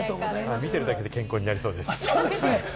見ているだけで健康になりそうです。